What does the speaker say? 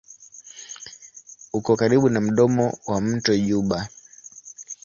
Uko karibu na mdomo wa mto Juba.